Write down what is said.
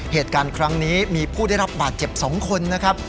เหตุการณ์ครั้งนี้มีผู้ได้รับบาดเจ็บ๒คนนะครับ